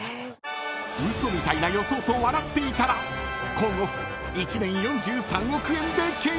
［嘘みたいな予想と笑っていたら今オフ１年４３億円で契約］